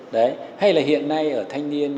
đấy hay là hiện nay ở thanh niên